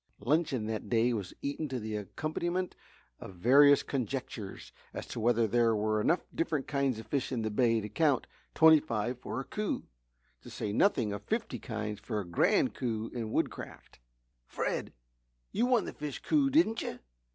Luncheon that day was eaten to the accompaniment of various conjectures as to whether there were enough different kinds of fish in the bay to count twenty five for a coup; to say nothing of fifty kinds for a Grand Coup in Woodcraft. "Fred, you won the fish coup, didn't you?"